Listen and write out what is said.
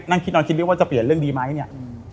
นั่งคิดนอนคิดด้วยว่าจะเปลี่ยนเรื่องดีไหมเนี่ย